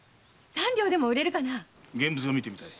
現物が見てみたい。